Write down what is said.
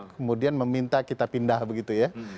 kemudian meminta kita pindah begitu ya